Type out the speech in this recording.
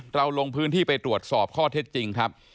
ลงพื้นที่ไปตรวจสอบข้อเท็จจริงครับ